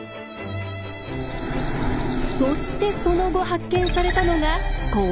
そしてその後発見されたのがこれ。